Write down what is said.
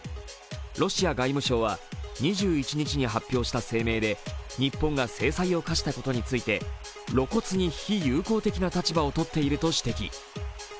ロシア外務省は２１日に発表した声明で、日本が制裁を科したことについて露骨に非友好的な立場をとっていると指摘。